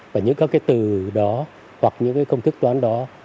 và những các cái từ đó hoặc những cái công thức toán đó